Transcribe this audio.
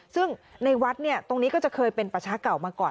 ซึ่งในวัดตรงนี้ก็จะเคยเป็นประชาเก่ามาก่อน